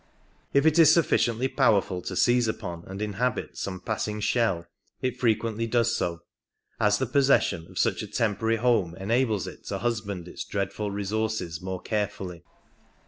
If it is suflficiently powerful to seize upon and inhabit some passing shell it frequently does so, as the possession of such a temporary home enables it to husband its dreadful resources more carefully.